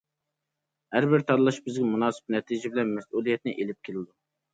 ھەربىر تاللاش بىزگە مۇناسىپ نەتىجە بىلەن مەسئۇلىيەتنى ئېلىپ كېلىدۇ.